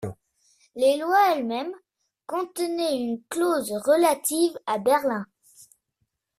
Les lois elles-mêmes contenaient une clause relative à Berlin.